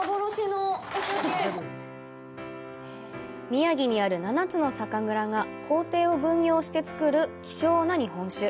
宮城にある７つの酒蔵が工程を分業して造る希少な日本酒。